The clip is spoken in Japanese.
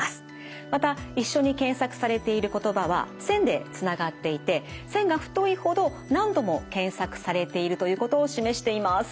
また一緒に検索されている言葉は線でつながっていて線が太いほど何度も検索されているということを示しています。